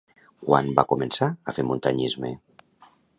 Quan va començar a fer muntanyisme?